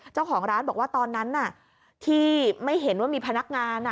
เจ้าของร้านบอกว่าตอนนั้นที่ไม่เห็นว่ามีพนักงาน